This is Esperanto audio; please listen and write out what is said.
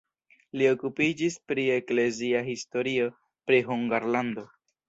Li okupiĝis pri eklezia historio pri Hungarlando.